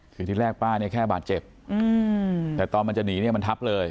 คือที่แรกป้าเนี่ยแค่บาดเจ็บแต่ตอนมันจะหนีเนี่ยมันทับเลย